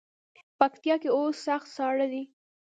پکتیا کې اوس سخت ساړه دی.